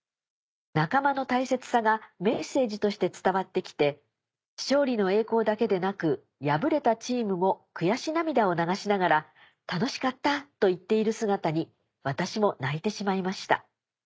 仲間の大切さがメッセージとして伝わって来て勝利の栄光だけでなく敗れたチームも悔し涙を流しながら「楽しかった！」と言っている姿に私も泣いてしまいました。